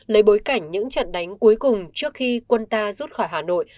lấy bối cảnh những trận đánh cuối cùng trước khi quân ta rút khỏi hà nội